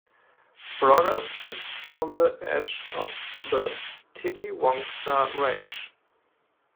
Broga sits on the edge of the Titiwangsa Range.